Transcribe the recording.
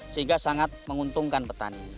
sehingga sangat menguntungkan petani